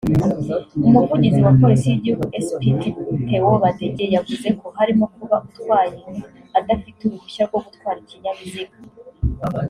Umuvugizi wa polisi y’igihugu Spt Theos Badege yavuze ko harimo kuba utwaye adafite uruhushya rwo gutwara ikinyabiziga